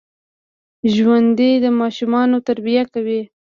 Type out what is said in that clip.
ژوندي د ماشومانو تربیه کوي